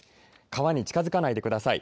川に近づけないでください。